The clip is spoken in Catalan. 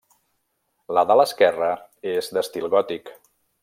La de l'esquerra és d'estil gòtic.